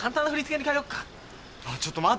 ちょっと待ってよ。